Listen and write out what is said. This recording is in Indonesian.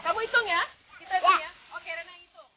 kamu hitung ya kita hitung ya oke rena hitung